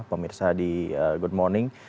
pemirsa di good morning